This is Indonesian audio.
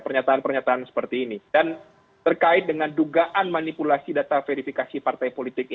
pernyataan pernyataan seperti ini dan terkait dengan dugaan manipulasi data verifikasi partai politik